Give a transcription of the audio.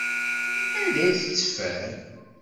Anda ay tt-teffer?